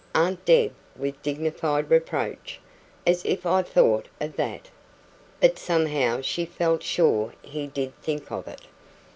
"Aunt Deb!" with dignified reproach. "As if I thought of that." But somehow she felt sure he did think of it.